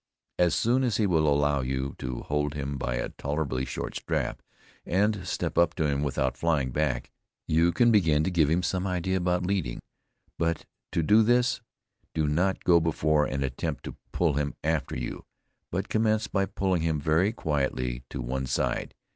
As soon as he will allow you to hold him by a tolerably short strap, and step up to him without flying back, you can begin to give him some idea about leading. But to do this, do not go before and attempt to pull him after you, but commence by pulling him very quietly to one side.